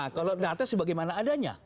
kalau data sebagaimana adanya